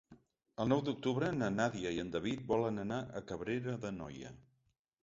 El nou d'octubre na Nàdia i en David volen anar a Cabrera d'Anoia.